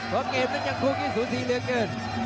เพราะเกมนั้นยังคงที่สูสีเหลือเกิน